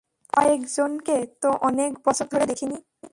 কয়েকজনকে তো অনেক বছর ধরে দেখিনি।